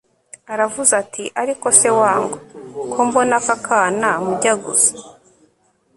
aravuze ati ariko se wangu, ko mbona aka kana mujya gusa